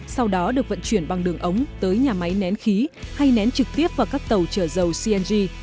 sau đó được vận chuyển bằng đường ống tới nhà máy nén khí hay nén trực tiếp vào các tàu chở dầu cng